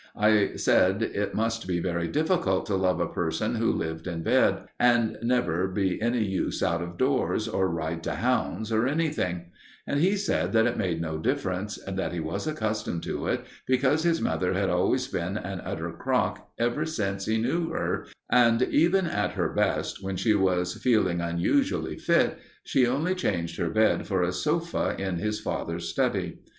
I said it must be very difficult to love a person who lived in bed and could never be any use out of doors, or ride to hounds, or anything; and he said that it made no difference and that he was accustomed to it, because his mother had always been an utter crock ever since he knew her, and even at her best, when she was feeling unusually fit, she only changed her bed for a sofa in his father's study.